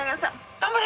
頑張れ！